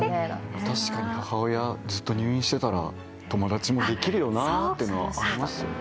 確かに母親ずっと入院してたら友達もできるよなぁっていうのはありますよね。